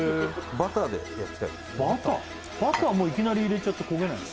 バターバターいきなり入れちゃって焦げないの？